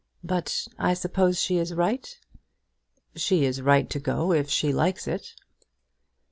But I suppose she is right?" "She is right to go if she likes it."